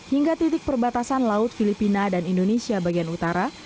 hingga titik perbatasan laut filipina dan indonesia bagian utara